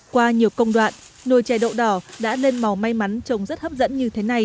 qua nhiều công đoạn nồi chè đậu đỏ đã lên màu may mắn trông rất hấp dẫn